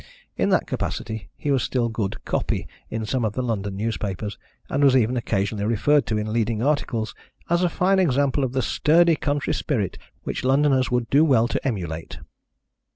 In that capacity he was still good "copy" in some of the London newspapers, and was even occasionally referred to in leading articles as a fine example of the sturdy country spirit which Londoners would do well to emulate.